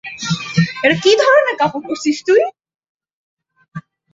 এটা কি ধরনের কাপড় পরেছিস তুই?